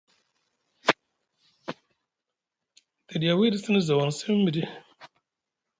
Te ɗiya wiɗi sini zaw aŋ simi miɗi.